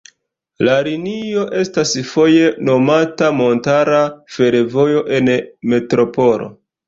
La linio estas foje nomata Montara Fervojo en Metropolo.